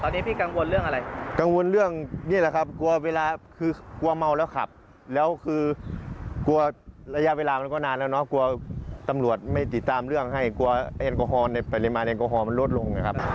ตอนนี้พี่กังวลเรื่องอะไรกังวลเรื่องนี่แหละครับกลัวเวลาคือกลัวเมาแล้วขับแล้วคือกลัวระยะเวลามันก็นานแล้วเนาะกลัวตำรวจไม่ติดตามเรื่องให้กลัวแอลกอฮอลในปริมาณแอลกอฮอลมันลดลงนะครับ